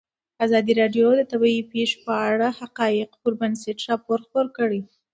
ازادي راډیو د طبیعي پېښې په اړه د حقایقو پر بنسټ راپور خپور کړی.